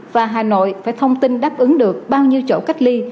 và hà nội phải thông tin đáp ứng được bao nhiêu chỗ cách ly